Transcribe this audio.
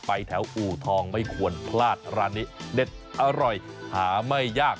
แถวอู่ทองไม่ควรพลาดร้านนี้เด็ดอร่อยหาไม่ยาก